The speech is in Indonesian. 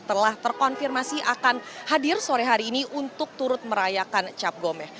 telah terkonfirmasi akan hadir sore hari ini untuk turut merayakan cap gome